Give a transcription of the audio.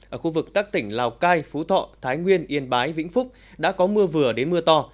ở khu vực các tỉnh lào cai phú thọ thái nguyên yên bái vĩnh phúc đã có mưa vừa đến mưa to